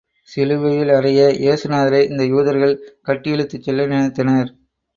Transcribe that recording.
சிலுவையில் அறைய ஏசு நாதரை இந்த யூதர்கள் கட்டி இழுத்துச் செல்ல நினைத்தனர்.